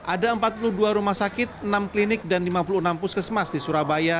ada empat puluh dua rumah sakit enam klinik dan lima puluh enam puskesmas di surabaya